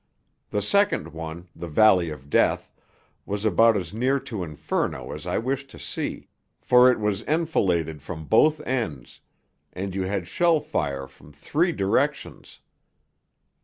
The second one the Valley of Death was about as near to Inferno as I wish to see, for it was enfiladed from both ends, and you had shell fire from three directions.